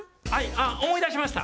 あっ思い出しました。